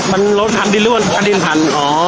มันรถทันที่ร่วมพันดินทันอ๋อ